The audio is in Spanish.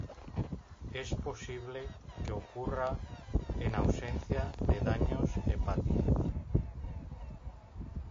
Es posible que ocurra en ausencia de daños hepáticos.